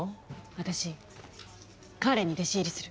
私彼に弟子入りする！